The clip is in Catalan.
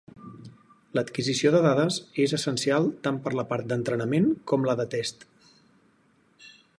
L'adquisició de dades és essencial tant per a la part d'entrenament com la de test.